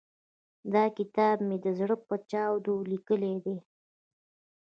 دا کتاب مې د زړه په چاود ليکلی دی.